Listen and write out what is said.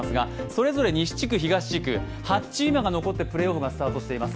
それぞれ西地区、東地区、８チームが残ってプレーオフがスタートしています。